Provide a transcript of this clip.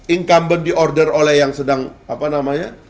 incumbent di order oleh yang sedang apa namanya